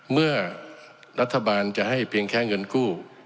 เมื่อรัฐบาลจะให้เพียงแค่เงินกู้